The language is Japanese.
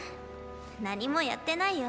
何もやってないよ